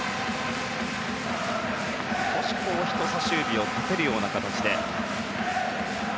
少し、人さし指を立てるような形で。